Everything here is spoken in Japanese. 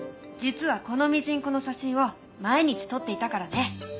実はこのミジンコの写真を毎日撮っていたからね。